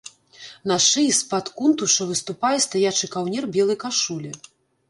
На шыі з-пад кунтуша выступае стаячы каўнер белай кашулі.